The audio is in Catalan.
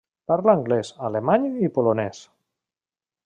Parla anglès, alemany i polonès.